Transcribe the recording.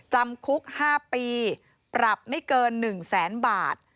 จำคุก๕ปีปรับไม่เกิน๑แสนบาท